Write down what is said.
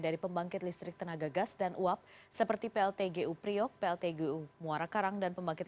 dari pembangkit listrik tenaga gas dan uap seperti plt gu priok plt gu muara karang dan pembangkit